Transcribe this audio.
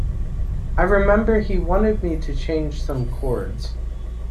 I remember he wanted me to change some chords.